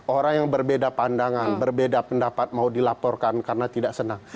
orang yang berbeda pandangan berbeda pendapat mau dilaporkan karena tidak senang